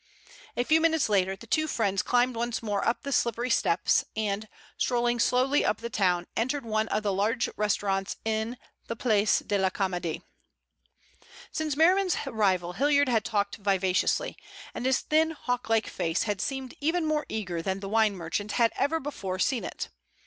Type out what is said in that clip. A few minutes later the two friends climbed once more up the slippery steps, and, strolling slowly up the town, entered one of the large restaurants in the Place de la Comedie. Since Merriman's arrival Hilliard had talked vivaciously, and his thin, hawk like face had seemed even more eager than the wine merchant had ever before seen it.